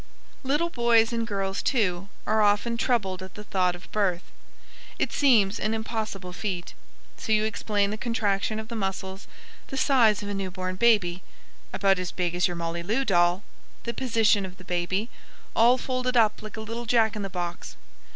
Little boys and girls, too, are often troubled at the thought of birth. It seems an impossible feat. So you explain the contraction of the muscles, the size of a newborn baby "about as big as your Molly Lou doll" the position of the baby "all folded up like a little Jack in the box."